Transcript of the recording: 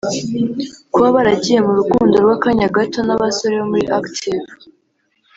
Kuba baragiye mu rukundo rw’akanya gato n’abasore bo muri Active